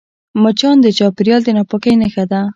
مچان د چاپېریال د ناپاکۍ نښه ده